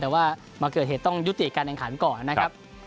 แต่ว่ามาเกิดเหตุต้องยุติการแข่งขันก่อนนะครับ